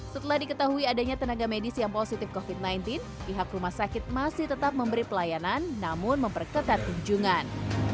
setelah diketahui adanya tenaga medis yang positif covid sembilan belas pihak rumah sakit masih tetap memberi pelayanan namun memperketat kunjungan